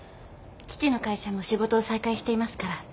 父の会社も仕事を再開していますから大丈夫です。